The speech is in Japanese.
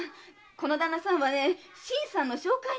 この旦那さんは新さんの紹介なんだよ。